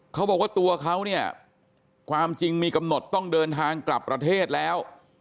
เขาบอกว่าตัวเขาเนี่ยความจริงมีกำหนดต้องเดินทางกลับประเทศแล้ว